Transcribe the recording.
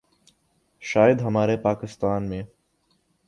شاید ہمارے پاکستان میں